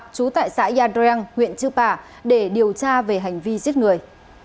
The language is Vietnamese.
trú tại xã yadreng huyện chư pả để điều tra về hành vi giết người